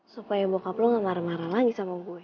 supaya bokap lo gak marah marah lagi sama gue